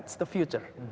itu masa depan